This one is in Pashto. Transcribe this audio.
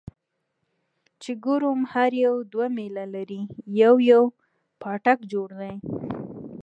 چې ګورم هر يو دوه ميله لرې يو يو پاټک جوړ دى.